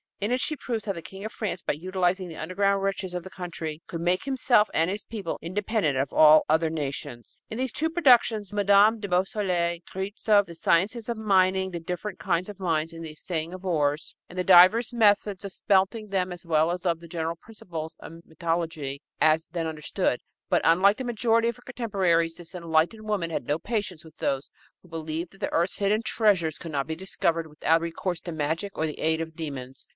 In it she proves how the King of France, by utilizing the underground riches of his country, could make himself and his people independent of all other nations. In these two productions Mme. de Beausoleil treats of the science of mining, the different kinds of mines, the assaying of ores and the divers methods of smelting them, as well as of the general principles of metallurgy, as then understood. But, unlike the majority of her contemporaries, this enlightened woman had no patience with those who believed that the earth's hidden treasures could not be discovered without recourse to magic or to the aid of demons.